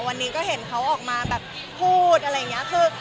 วันนี้ก็เห็นเขาออกมาแบบพูดอะไรอย่างนี้คือ